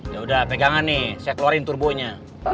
ya udah pegangan nih saya keluarin turbonya